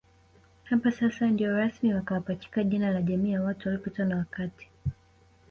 Hapa sasa ndio rasmi wakawapachachika jina la Jamii ya watu waliopitwa na wakati